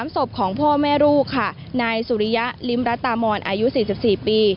ศพของพ่อแม่ลูกค่ะนายสุริยะลิ้มรัตามอนอายุ๔๔ปี